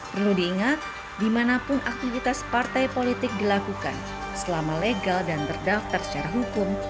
perlu diingat dimanapun aktivitas partai politik dilakukan selama legal dan terdaftar secara hukum